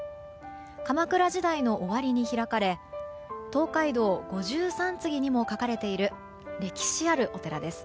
鎌倉時代の終わりに開かれ東海道五十三次にも描かれている歴史あるお寺です。